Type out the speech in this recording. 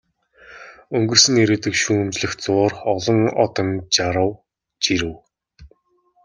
Өнгөрсөн ирээдүйг шүүмжлэх зуур олон одон жарав, жирэв.